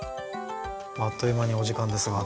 あっという間にお時間ですが為末さん